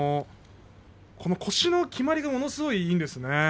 腰のきまりがものすごくいいですね。